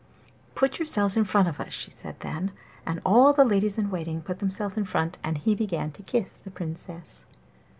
'Put yourselves in front of us,' she said then; and so all the ladies in waiting put themselves in front, and he began to kiss the Princess.